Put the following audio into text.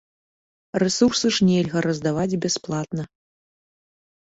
Рэсурсы ж нельга раздаваць бясплатна.